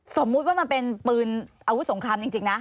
สมมุติว่ามันเป็นปืนอาวุธสงครามจริงนะ